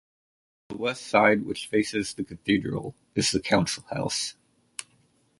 On the west side which faces the cathedral, is the council-house.